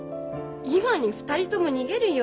今に２人とも逃げるよ。